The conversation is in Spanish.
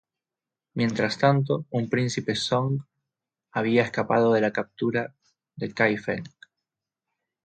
Mientras tanto, un príncipe Song había escapado de la captura de Kaifeng.